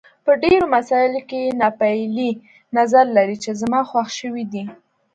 په ډېرو مسایلو کې یو ناپېیلی نظر لري چې زما خوښ شوی دی.